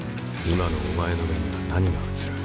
今のお前の目には何が映る？